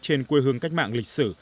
trên quê hương cách mạng lịch sử